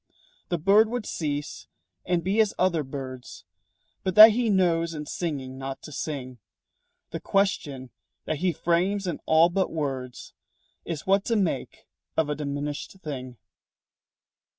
The bird would cease and be as other birds But that he knows in singing not to sing. The question that he frames in all but words Is what to make of a diminished thing.